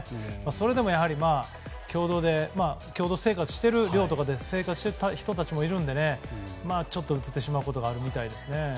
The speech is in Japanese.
それでも共同生活寮とかで生活している人たちもいるのでちょっと、うつってしまうことがあるみたいですね。